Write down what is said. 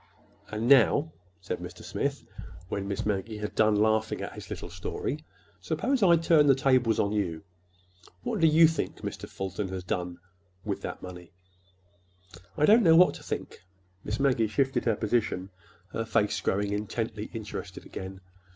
'" "And now," said Mr. Smith, when Miss Maggie had done laughing at his little story, "suppose I turn the tables on you? What do you think Mr. Fulton has done—with that money?" "I don't know what to think." Miss Maggie shifted her position, her face growing intently interested again.